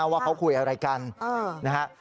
กะติกเขาก็ไม่ได้บอกมากนะอ่า